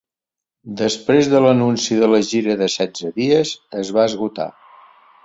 Després l’anunci de la gira de setze dies, es va esgotar.